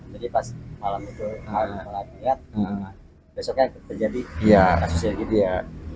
jadi pas malam itu malam itu lagi lihat besoknya terjadi kasusnya gitu ya